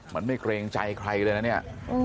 มันไม่เกรงใจใครเลยนะเนี่ย